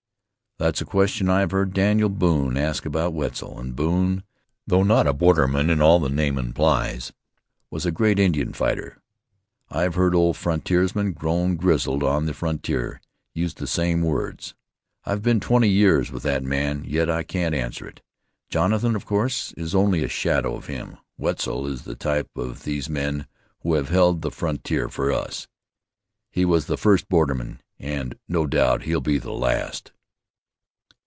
"That's a question I've heard Daniel Boone ask about Wetzel, and Boone, though not a borderman in all the name implies, was a great Indian fighter. I've heard old frontiersmen, grown grizzled on the frontier, use the same words. I've been twenty years with that man, yet I can't answer it. Jonathan, of course, is only a shadow of him; Wetzel is the type of these men who have held the frontier for us. He was the first borderman, and no doubt he'll be the last."